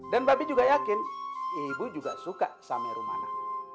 dan mba be juga yakin ibu juga suka sama romana